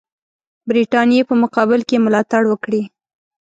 برټانیې په مقابل کې یې ملاتړ وکړي.